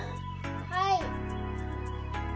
はい。